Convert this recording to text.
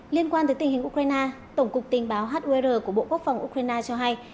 liên quan tới tình hình ukraine tổng cục tình báo hur của bộ quốc phòng ukraine cho hay